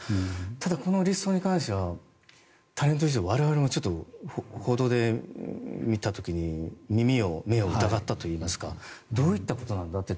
ただ、このリストに関しては我々も報道で見た時に耳を目を疑ったといいますかどういったことなんだって。